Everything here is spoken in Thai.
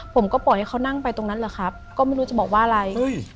ผมก็ปล่อยให้เขานั่งไปตรงนั้นแหละครับก็ไม่รู้จะบอกว่าอะไร